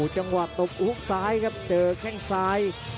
จังหวะตบฮุกซ้ายครับเจอแข้งซ้าย